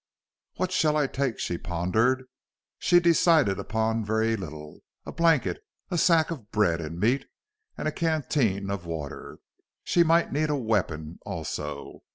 "What shall I take?" she pondered. She decided upon very little a blanket, a sack of bread and meat, and a canteen of water. She might need a weapon, also.